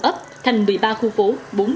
một trăm linh một ấp thành một mươi ba khu phố